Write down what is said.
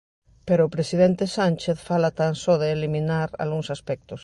Pero o presidente Sánchez fala tan só de eliminar algúns aspectos.